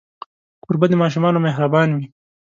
کوربه د ماشومانو مهربان وي.